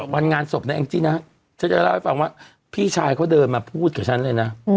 วันงานศพในแอ้งจี้นะพี่ชายเขาเดินมาพูดกับฉันเลยนะ